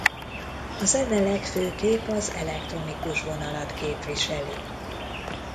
A zene legfőképp az elektronikus vonalat képviseli.